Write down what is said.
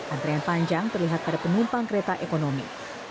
antrean panjang terlihat pada penumpang kereta ekonomi